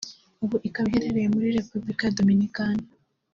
ubu ikaba iherereye muri Repubulika ya Dominikani